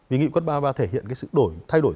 vì nghị quyết hai mươi ba thể hiện cái sự thay đổi